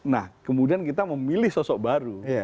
nah kemudian kita memilih sosok baru